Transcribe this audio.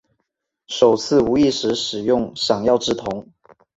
首次无意识使用闪耀之瞳。